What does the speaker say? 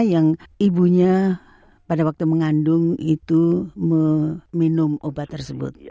yang ibunya pada waktu mengandung itu meminum obat tersebut